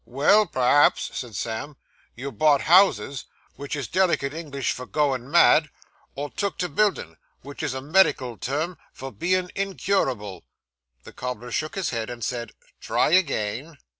'Well, perhaps,' said Sam, 'you bought houses, wich is delicate English for goin' mad; or took to buildin', wich is a medical term for bein' incurable.' The cobbler shook his head and said, 'Try again.